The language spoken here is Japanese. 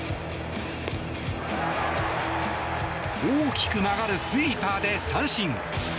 大きく曲がるスイーパーで三振。